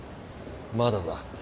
まだだ。